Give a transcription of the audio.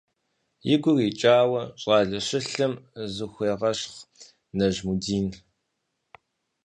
И гур икӀауэ, щӀалэ щылъым зыхуегъэщхъ Нажмудин.